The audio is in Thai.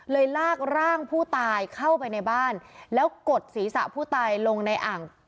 ลากร่างผู้ตายเข้าไปในบ้านแล้วกดศีรษะผู้ตายลงในอ่าง